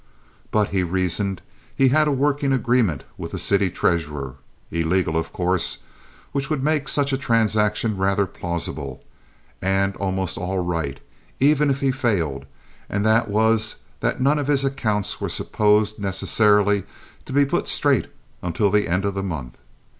But, he reasoned, he had a working agreement with the city treasurer (illegal of course), which would make such a transaction rather plausible, and almost all right, even if he failed, and that was that none of his accounts were supposed necessarily to be put straight until the end of the month.